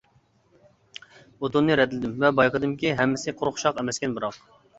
ئوتۇننى رەتلىدىم ۋە بايقىدىمكى، ھەممىسى قۇرۇق شاخ ئەمەسكەن بىراق.